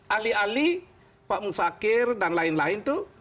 ahli ahli pak musyakir dan lain lain itu